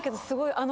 ・あの。